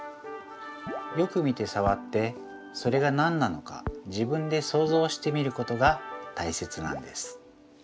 よく見てさわってそれが何なのか自分でそうぞうしてみることがたいせつなんです。